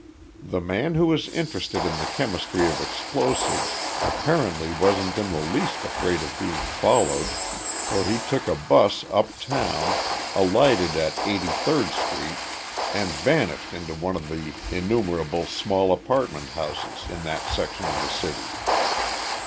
The man who was interested in the chemistry of explosives apparently wasn't in the least afraid of being followed, for he took a bus uptown, alighted at Eighty third Street, and vanished into one of the innumerable small apartment houses in that section of the city.